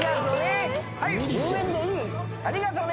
ありがとね。